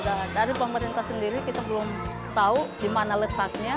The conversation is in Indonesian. nah dari pemerintah sendiri kita belum tahu di mana letaknya